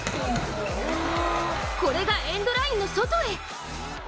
これがエンドラインの外へ。